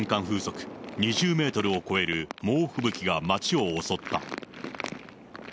風速２０メートルを超える猛吹雪が町を襲った。